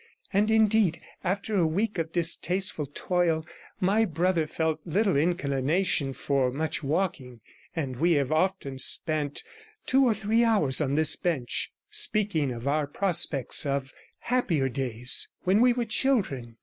And indeed, after a week of distasteful toil, my brother felt little inclination for much walking, and we have often spent two or three hours on this bench, speaking of our prospects and of happier days, when we were children.